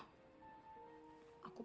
aku kena kepes